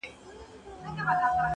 پر حجره یې لکه مار وګرځېدمه؛